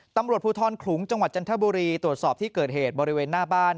ตำรวจภูทรขลุงจังหวัดจันทบุรีตรวจสอบที่เกิดเหตุบริเวณหน้าบ้าน